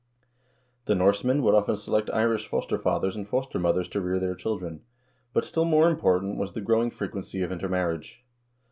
4 The Norsemen would often select Irish foster fathers and foster mothers to rear their children ; but still more important was the growing frequency of intermarriage.